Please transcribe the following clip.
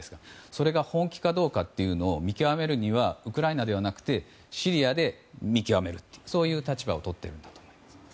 それが本気かどうかを見極めるにはウクライナではなくてシリアで見極めるという立場をとっているんだと思います。